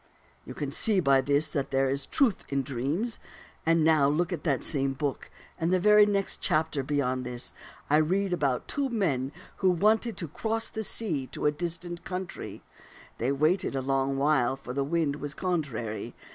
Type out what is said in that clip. " You can see by this that there is truth in dreams. And now in that same book, in the very next chapter beyond this, I read about two men who wanted to cross the sea to a distant country. They waited a long while, for the wind was contrary.